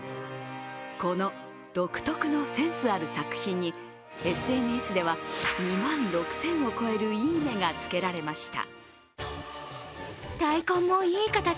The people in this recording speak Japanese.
この独特のセンスある作品にＳＮＳでは、２万６０００を超えるいいねがつけられました。